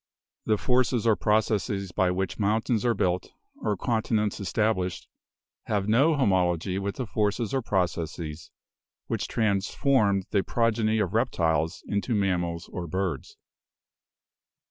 The forces or processes by which mountains are built or continents established have no homology with the forces or processes which transformed the progeny of reptiles into mammals or birds.